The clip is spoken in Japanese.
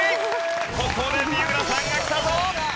ここで三浦さんが来たぞ！